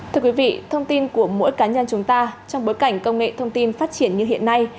thưa quý vị thông tin của mỗi cá nhân chúng ta trong bối cảnh công nghệ thông tin phát triển như hiện nay